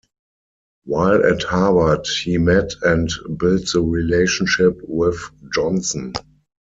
While at Harvard he met and built the relationship with Johnson.